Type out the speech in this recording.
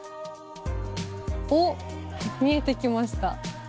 おっ見えて来ました。